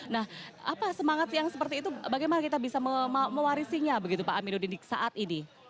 nah apa semangat yang seperti itu bagaimana kita bisa mewarisinya begitu pak aminuddin saat ini